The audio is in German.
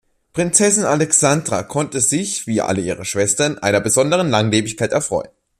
Prinzessin Alexandra konnte sich, wie alle ihre Schwestern, einer besonderen Langlebigkeit erfreuen.